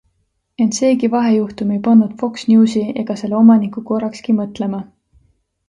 Ent seegi vahejuhtum ei pannud Fox Newsi ega selle omanikku korrakski mõtlema.